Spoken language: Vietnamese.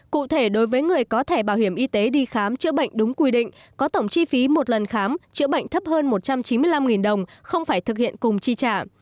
cụ thể đối với người có thẻ bảo hiểm y tế đi khám chữa bệnh đúng quy định có tổng chi phí một lần khám chữa bệnh thấp hơn một trăm chín mươi năm đồng không phải thực hiện cùng chi trả